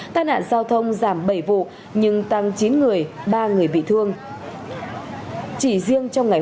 tai nạn giao thông giảm bảy vụ nhưng tăng chín người ba người bị thương